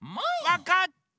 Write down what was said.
わかった！